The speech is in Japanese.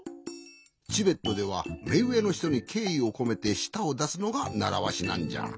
チベットではめうえのひとにけいいをこめてしたをだすのがならわしなんじゃ。